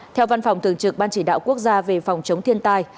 theo văn phòng thường trực ban chỉ đạo quốc gia về phòng chống thiên tai